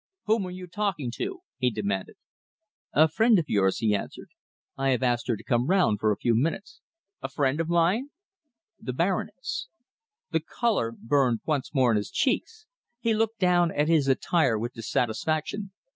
"Whom were you talking to?" he demanded. "A friend of yours," he answered. "I have asked her to come round for a few minutes." "A friend of mine?" "The Baroness!" The colour burned once more in his cheeks. He looked down at his attire with dissatisfaction.